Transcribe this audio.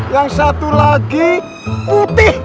yang satu lagi putih